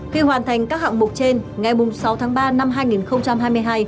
khi hoàn thành các hạng mục trên ngày sáu tháng ba năm hai nghìn hai mươi hai